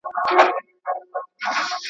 دفاع وزارت ګډ بازار نه پریږدي.